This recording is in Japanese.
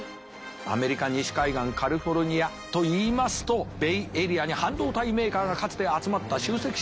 アメリカ西海岸カリフォルニアといいますとベイエリアに半導体メーカーがかつて集まった集積した。